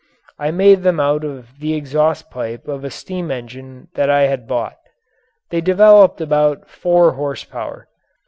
I made them out of the exhaust pipe of a steam engine that I had bought. They developed about four horsepower.